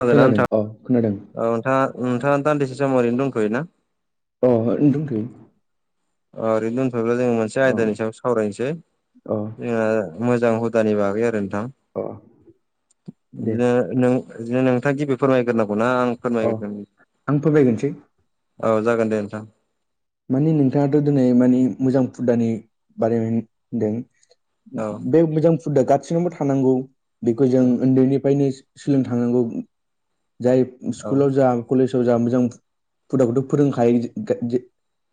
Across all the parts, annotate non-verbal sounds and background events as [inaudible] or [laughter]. खोनादोंना खोनादों नोंथां औ खोनादों। औ नोंथाङा नोंथाङा दान्दिसे सम ओरैनो दंथ'योना? अ दंथयो। अ ओरैनो दोनथ'योब्ला जोङो मोनसे अ आयदानि सायाव सावरायनोसै। अ जोङो मोजां हुदानि बागै आरो नोंथां। अ दे बिदिनो नों नोंथाङा गिबि फोरमायग्रोनांगौना आं अ फोरमायग्रोगोन? आं फोरमायग्रोनोसै औ जागोन दे नोंथां। माने नोंथाङाथ' दिनै माने मोजां फुदानि बानायनाय होनदों। औ। बे मोजां हुदा गासिनावबो थानांगौ। बेखौ औ जों उन्दैनिफ्रायनो सोलों थारनांगौ। जाय औ स्कुलाव जा कलेजाव जा मोजां हुदाखौथ' फोरोंखायो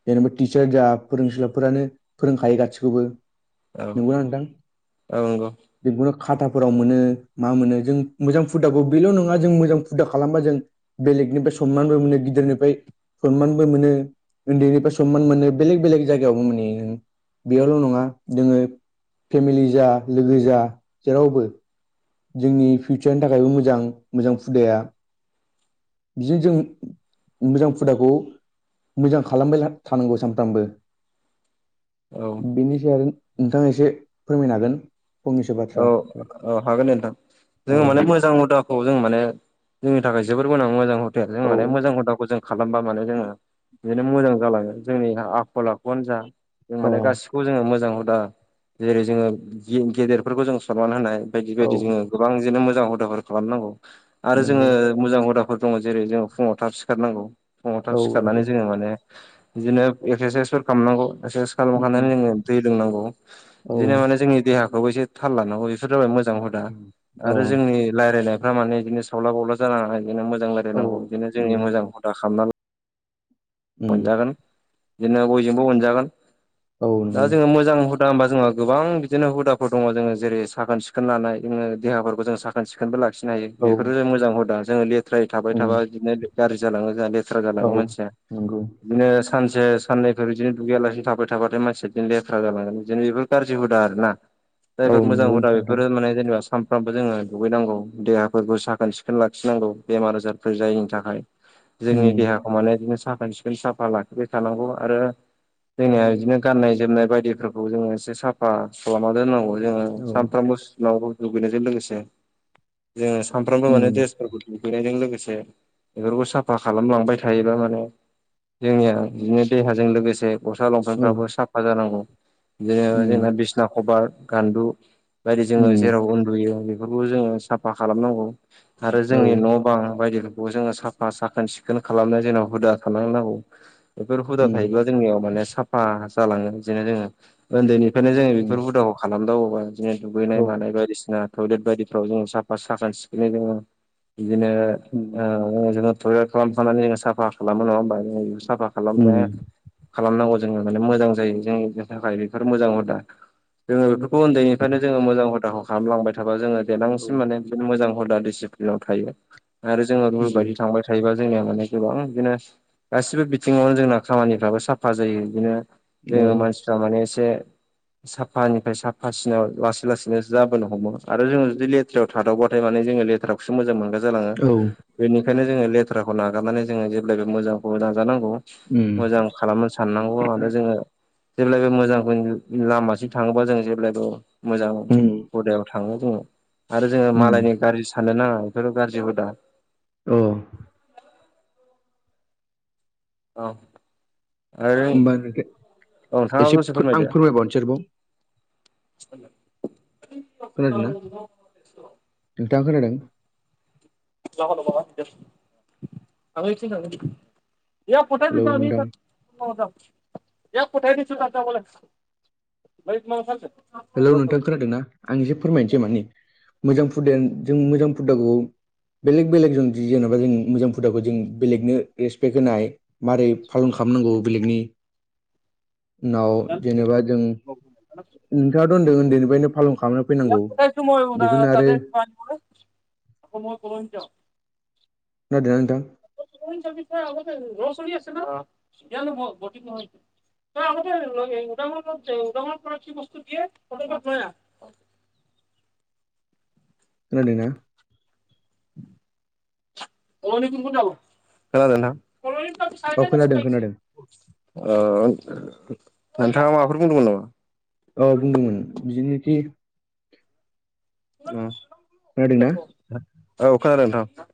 जेनेबा टिचार जा फोरोंसलाफोरानो फोरोंखायो गासिखौबो। औ नंगौना नोंथां? औ नंगौ बेखौनो खाथाफोराव मोनो मा मोनो। जों मोजां हुदाखौ बेल' नङा जों मोजां हुदा खालामबा जों बेलेगनिफ्राय सनमानबो मोनो गिदिरनिफ्राय सनमानबो मोनो। उन्दैनिफ्राय सनमान मोनो बेलेग बेलेग जायगायावबो मोनहयो। बेयावल' नङा जोङो फेमिलि जा, लोगो जा जेरावबो जोंनि फिउचारनि थाखायबो मोजां। मोजां हुदाया बिदिनो जों मोजां हुदाखौ मोजां खालामबाय थानांगौ सानफ्रामबो। औ बेनि सायाव नोंथाङा एसे फोरमायनो हागोन? फंनैसो औ बाथ्रा औ हागोन नोंथां। औ जोङो दे माने मोजां हुदा खौ माने जोंनि थाखाय जोबोर गोनां मोजां हुदा जों औ माने मोजां हुदाखौ जों खालामबा माने जोङो बिदिनो मोजां जालाङो। जोंनि आखल आखुआनो जा जों अ माने गासिखौबो जोंङो मोजां हुदा। जेरै- जोङो गेदेरफोरखौ जों सनमान होनाय बायदि औ बायदि जोङो गोबां बिदिनो मोजां हुदाफोर खालामनांगौ। आरो जोङो नंगौ मोजां हुदाफोर दङ। जेरै- जोङो फुङाव थाब सिखारनांगौ, फुङाव थाब औ नंगौ सिखारनानै जोङो माने बिदिनो एक्सारसाइसफोर खालामनांगौ। एक्सारसाइस उम खालामखांनानै जोङो दै लोंनांगौ औ बिदिनो माने जोंनि देहाखौबो एसे थाल लानांगौ बेफोर जाबाय मोजां हु दा उम औ आरो जोंनि रायरायनायफ्रा माने इदिनो सावला बावला जानाङा बिदि मोजां औ लायरायनांगौ बिदिनो जोंनि नंगौ मोजां हुदा खालामना उम मोनजागोन बिदिनो बयजोंबो मोनजागोन औ दा नंगौ जोङो मोजां हुद दा होमबा जोंहा गोबां बिदिनो हुदाफोर दङ जोङो जेरै साखोन सिखोन लानाय जोङो देहाफोरखौ जों साखोन सिखोनबो लाखिनो हायो औ बेफोरो मोजां हुदा जोङो लेथ्रायै थाबाय उम थाबा बिदिनो गाज्रि जालाङो जोंहा लेथ्रा औ जालाङो मानसिया नंगौ। बिदिनो सानसे साननैफोर बिदिनो दुगैयालासिनो थाबाय थाबाथाय मानसिया बिदिनो लेथ्रा जालांगोन बिदिनो बेफोर गाज्रि हुदा आरो ना। औ जायफोर मोजां नंगौ हुदा नोंथां बेफोरो माने जेनेबा सानफ्रामबो जोङो दुगैनांगौ देहाफोरखौ साखोन सिखोन लाखिनांगौ बेमार-आजारफोर जायैनि थाखाय। उम जोंनि देहाखौ माने बिदिनो साफोन-सिखोन साफा लाखिबाय थानांगौ आरो जोंनिया बिदिनो गाननाय जोमनाय बायदिफोरखौ जोङो एसे साफा खालामना दोननांगौ जोङो औ सानफ्रामबो सुनांगौ दुगैनायजों लोगोसे जोङो सानफ्रामबो उम माने द्रेसफोरखौ दुगैनायजों लोगोसे बेफोरखौ साफा खालामलांबाय थायोबा माने जोंनिया बिदिनो देहाजों लोगोसे गस्ला औ लंफेनफ्राबो साफा जानांगौ बिदिनो उम जोंना बिसना खबार गान्दु बायदि जोङो उम जेराव उन्दुयो बेफोरखौ जोङो साफा खालामनांगौ आरो औ जोंनि न' गोबां बायदिफोरखौ जोङो साफा साखोन सिखोन खालामनो जोङो हुदा खालामनांगौ बेफोर हुदा उम थायोब्ला जोंनियाव माने साफा जालाङो बिदिनो जोङो ओनदैनि फ्रायनो जोङो बेफोर उम हुदाखौ खालामदावोबा बिदिनो दुगैनाय औ मानाय बायदिसिना टयलेट बायदिफ्राव जोङो साफा साखोन सिखोनै जोङो बिदिनो उम ओ जोङो थयलेट खालामखांनानै जोङो साफा खालामो नङा होबा जोङो बेखौ साफा खालामनो उम खालामनांगौ जोङो माने मोजां जायो जोंनिनो थाखाय बेफोर मोजां हुदा। जोङो बेफोरखौ औ ओनदैनिफ्रायनो जोङो मोजां हुदाखौ खालामलांबाय थाबा जोङो देनांसिम माने बिदिनो मोजां हुदा डिसिप्लिनाव थायो आरो जोङो उम औ रुल बायदि थांबाय थायोबा जोंनिया माने गोबां बिदिनो गासिबो बिथिङावनो जोंना खामानिफ्राबो साफा जायो बिदिनो औ जोङो मानसि माने एसे साफानिफ्राय साफासिनायाव लासै लासैनो जाबोनो हमो आरो जोङो जुदि ले थ्रायाव थादावबाथाय माने जोङो लेथ्रा खौसो मोजां मोनग्रा जालाङो बेनिखायनो जोङो लेथ्राखौ नागारनानै जोङो जेब्लायबो मोजांखौ नाजानांगौ उम मोजां खालामनो साननांगौ आरो जोङो जेब्लायबो मोजांखौ लामासिम थाङोबा जों जेब्लायबो मोजां उम हुदायाव थाङो बुङो आरो जोङो उम मालायनि गाज्रि साननो नाङा बेफोरो गारजि हुदा औ औ ओ नोंथां औ एसे नोंथाङाबो दसे फो- आं फोरमायदो फोरमायबावनोसै आरोबाव [unintelligible] खोनादोंना नोंथाङा खोनादों हेलौ नोंथां [unintelligible] [unintelligible] हेलौ नोंथां खोनादोंना आं एसे फोरमायनोसै माने मोजां फुदाया जों मोजां फुदाखौ बेलेग बेलेग जों डिजाइन एबा जों मोजां फुदाखौ जों बेलेगनो रेसपेक्ट होनाय मारै फालन खालामनांगौ बेलेगनि [inaudible] उनाव जेनेबा जों नोंथाङाथ' होनदों ओनदैनिफ्रायनो फालन खालामनो [unintelligible] खोनादों ना नोंथां [unintelligible] [unintelligible] [inaudible] [inaudible] नोंथाङा औ खोनादों खोनादों माबाफोर बुंदोंमोन नामा औ बुंदोंमोन बिदिनोखि औ। खोनादोंना औ खोनादों नोंथां।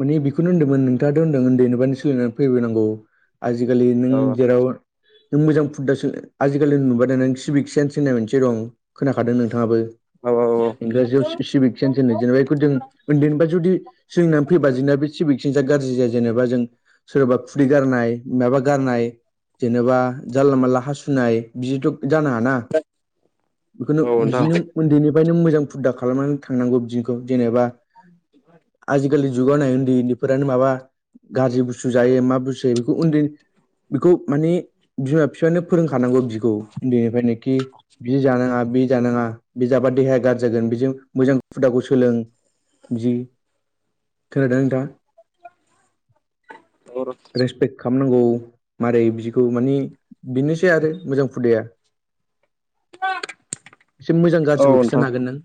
माने बेखौनो होनदोंमोन नोंथाङाथ' होनदोंमोन ओनदैनिफायनो सोलिनानै फैबोनांगौ आजिखालि नों औ जेराव नों मोजां फुदा सोलों आजिखालि नुबाय नों सिबिक सेन्स होननाय मोनसे दं खोनाखादों नोंथाङाबो औ इंराजियाव सिबिक सेन्स होनो जेनेबा एखौ जों ओनदैनिबा जुदि जोंना फैबा जोंना बे सिभिक सेन्सआ गाज्रि जाया जेनेबा जों सोरबा खुदै गारनाय माबा गारनाय जेनेबा जानला मानला हासुनाय बिदिथ' जानो हाना बेखौनो औ नोंथां बिदिनो उन्दैनिफ्रायनो मोजां हुदा खालामनानै थांनांगौ बिदिनोखौ जेनेबा [inaudible] गोरै जुगाव होननाय उन्दै उन्दैफोरानो माबा गाज्रि बुस्थु जायो मा बुस्थु बेखौ उन्दै बिखौ मानि बिमा बिफायानो फोरोंखानांगौ बिखौ उन्दैनिफ्रायनोखि जि जानाङा बे जानाङा बे जाबा देहाया गाज्रि जागोन बेजों मोजां हुदाखौ सोलों [inaudible] खालामनांगौ मारै बिदिखौ मानि बेनोसै आरो मोजां हुदाया एसे मोजां औ गाज्रिखौ नोंथां खिन्थानो हागोन नों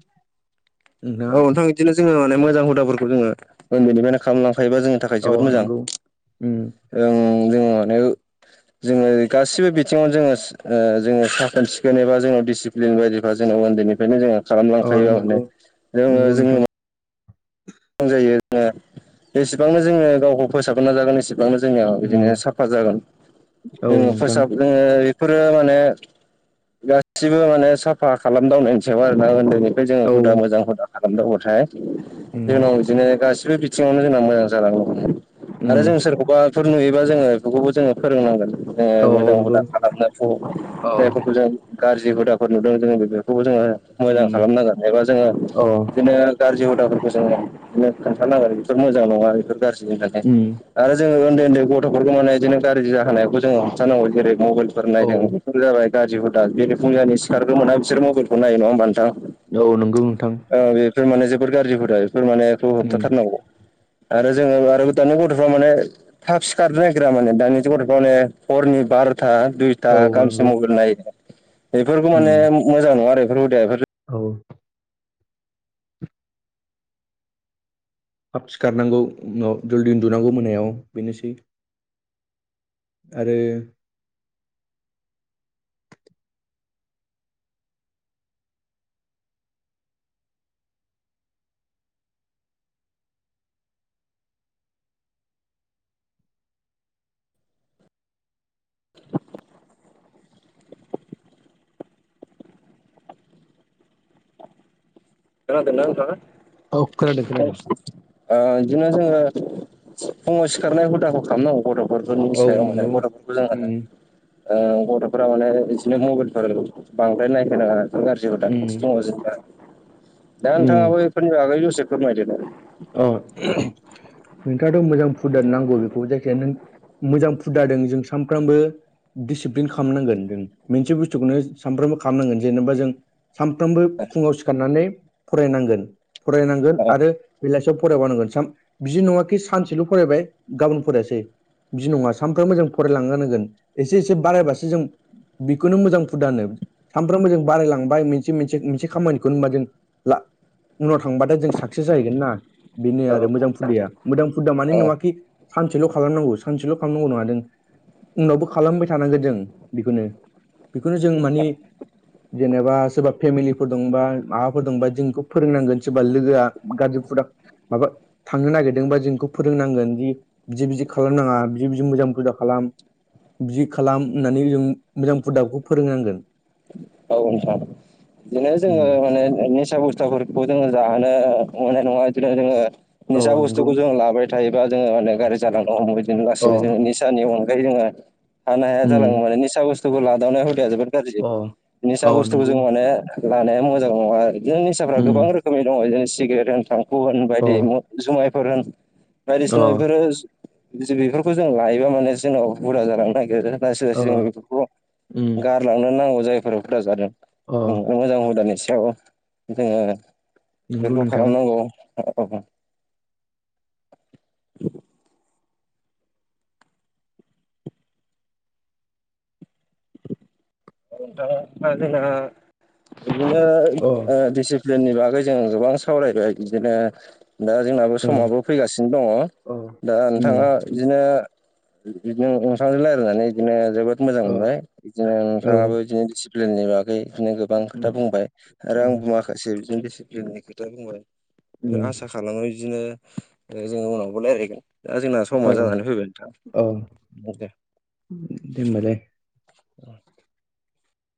औ नोंथां बिदिनो जोङो माने मोजां हुदाफोरखौ जोङो उन्दैनिफ्रायाने खालामलांफायोबा जोङो थाखाय जोबोद हागोन मोजां नों नोंथाङा अ नंगौ उम जों माने जोङो गासिबो बिथिङाव जोङो जोङो साखोन सिखोन एबा जोंनाव डिसिप्लिन बायदिफ जोंनाव उन्दैनिफ्रायनो जोङो खालाम अ लांखायो माने नंगौ जोङो नंगौ जोङो नोंथां। जायो जोङो जेसेबांनो जोङो गावखौ फोसाबनो नाजागोन एसेबां नो जोंनियाव उम बिदिनो साफा जागोन औ जोङो नोंथां फोसाब जोङो बेफोरो माने गासिबो माने साफा खालाम लाइनायनि सायाव आरोना उन्दैनि जोङो औ हुदा मोजां हुदा खालामदोंबाथाय उम जोंनाव बिदिनो गासिबो बिथिङावनो जोंना मोजां जानांगौ उम आरो जों सोरखौबा फोर नुयोबा जोङो बेफोरखौबो जोङो फोरोंनांगोन औ मोजां नंगौ हुदा खालामनागोन अ जायफोरखौ जों गाज्रि हुदाफोर नुदों जोङो बेफोरखौबो जोङो मोजां उम खालामनांगोन एबा जोङो अ बिदिनो गाज्रि हुदाफोरखौ जोङदि खोन्थानांगो बेफोर मोजां नङा बेफोर गाज्रि होननानै उम आरो जोङो उन्दै उन्दै गथ'फोरखौ माने बिदिनो गाज्रि जाहायखौ जोङो हमथारानांगौ जेरै मबाइलफोर औ नायदों जाबाय गाज्रि हुदा बेै फुंजानि सिखारगोन मोना बिसोर मबाइलखौनाय नङा होमबा नोथां। औ नंगौ नोंथां। औ बेफोर माने जोबोद गाज्रि हुदा बेफोर माने एखौ उम होबथाथारनांगौ। आरो जोङो आरो दानि गथ'फ्रा माने थाब सिखारनो नागिरा माने दानि ज गथफ्र माने हरनि बार'था दुइथा औ दा गामसे नंगौ मबाइल नाय बेफोरखौ माने उम मोजां नङा आरो बेफोर हुदाया औ थाब सिखारनांगौ उनाव जलदि उन्दुनांगौ मोनायाव बेनोसै आरो खोना दोंना नोंथां औ खोनादों आ ओ खोनादों बिदिनो जोङो फुङाव सिखारनाय हुदाखौ खालामनांगौ गथ। बर फोरनि औ सायाव माने नंगौ गथफोरखौ जों उम ओ गथफोरा माने बिदिनो मबाइलफोर बांद्राय नायहो नाङा। गाज्रिखौदा उम दङ जोबा दा नोंथाङाबो बेफोरनि आगै दसे फोरमायदो। औ नोंथाङाथ मोजां फुद नांगौ बेखौ जायखिजाया नों मोजां फुद जादों जों सानफ्रामबो दिसिप्लिन खालामनांगोन जों मोनसे बुस्थुखौनो सानफ्रोमबो खालामनांगोन जेनेबा जों सानफ्रोमबो फुङाव सिखारनानै फरायनांगोन फरायनांगोन आरो बेलासियाव फरायबानांगोन सान बिदि नङााखि सानसेल फरायबाय गाबोन फरायासै बिदि नङा सानफ्रोमबो जों फरायलांगोन होनांगोन एसे एसे बारायबासो जों बेखौनो मोजां हुदाहोनो। सानफ्रोमबो जों बारायलांबाय मोनसे मोनसे मोनसे खामानिखौनो होनबा जों ला उनाव थांबाथाय जों साक्सेस जाहैगोन ना बेनो औ आरो मोजां हुदाया मोजां हुदाया मानि औ नङााखि सानसेल खालामनांगौ सानसेल खालामनांगौ नङादो उनावबो खालामबाय थानांगोन जों बेखौनो बेखौनो जों मानि जेनेबा सोरबा फेमिलिफोर दंबा माबाफोर दंबा जोंखौ फोरोंनांगोन सोरबा लोगोआ गाजु फद माबा थांनो नागिरदोंबा जोंखौ फोरोंनांगोन जि बिदि बिदि खालामनााङा बिदि बिदि मोजां बुरजा खालाम बिदि खालाम होननानै जों मोजां फुदाबखौ फोरोंनांगोन। औ नोंथां बिदिनो जोङो उम माने निसा बस्थाफोर ङ जानो अने नङा जोंओ अ निसा नंगौ बुस्थुखौ जों लाबाय थायोबा जोङो माने गाजि जालांनो हमबाय बिदिनो अ लासैनो जोङो निसानि अनगायै जोङो थानो हाया उम जालाङो मान निसा बुस्थुखौ लादावनाय हुदाया जोबोद गाज्रि। अ निसा अ बुस्थुखौ नंगौ जों माने लानाया मोजां नङा जों निसाफ्रा उम गोबां रोखोम रोखोम दङ जेरै सिगारेट होन थांखु होन अ बायदि जुमायफोर होन अ बायदिसिना बेफोरो बेफोरखौ जों लायोबा माने जोंनाव हुदा जालांनो नागिरो। लासै अ लासै जों बेफोरखौ उम गारलांनो नांगौ जायफोरा खोदा जादों अ मोजां हुदानि सायाव जोङो नंगौ बेफोरखौ नोंथां खालामनांगौ। अ औ औ बिदि अ [unintelligible] [inaudible] जोंनि बागै जों गोबां सावरायबाय बिदिनो दा जोंनाबो अ समाबो फैगासिनो अ दङ दा नोंथाङा उम बिदिनो बिदिनो [unintelligible] अओसांजों राय्लायनानै बिदिनो जोबोद मोजां अ मोनबाय बिदिनो औ नोंथाङाबो बिदिनो दिसिप्लिननि बागै बिदिनो गोबां खोथा उम बुंबाय आरो आं उम बुयाखै। गाै बिनो दिसिप्लिननि खोथा बुंबाय आरो उम आसा खालामो बिदिनो जोङो उनावबो रायल्लायगोन दा जोंना समा औ जानानै फैबाय औ नोंथां दे होनोमबालाय औ [inaudible]